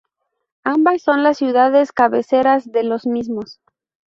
Ambas son las ciudades cabeceras de los mismos.